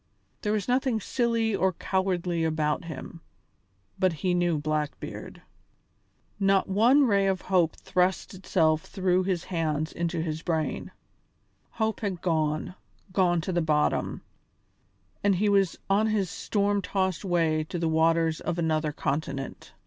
There was nothing silly or cowardly about him, but he knew Blackbeard. Not one ray of hope thrust itself through his hands into his brain. Hope had gone, gone to the bottom, and he was on his storm tossed way to the waters of another continent.